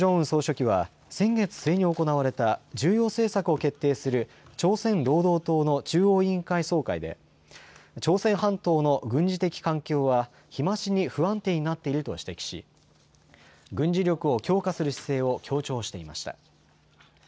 総書記は先月末に行われた重要政策を決定する朝鮮労働党の中央委員会総会で朝鮮半島の軍事的環境は日増しに不安定になっていると指摘し軍事力を強化する姿勢を強調していました。